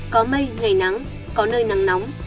có mây ngày nắng có nơi nắng nóng